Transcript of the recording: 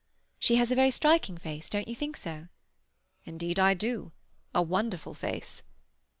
"She has a very striking face—don't you think so?" "Indeed I do. A wonderful face."